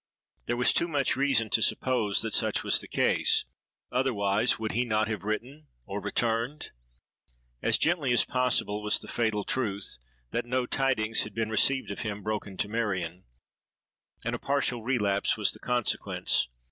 There was too much reason to suppose that such was the case: otherwise, would he not have written, or returned? As gently as possible was the fatal truth, that no tidings had been received of him, broken to Marion; and a partial relapse was the consequence.